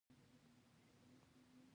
د یوې خوا د ښامار وېرې نیولې وه.